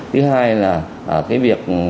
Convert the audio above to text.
thứ hai là cái việc